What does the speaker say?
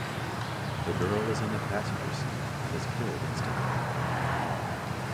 The girl is in the passenger seat and is killed instantly.